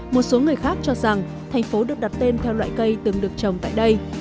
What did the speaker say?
một số người khác cho rằng thành phố được đặt tên theo loại cây từng được trồng tại đây